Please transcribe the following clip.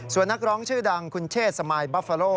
ส่วนนักร้องชื่อดังคุณเชษสมายบัฟฟาโล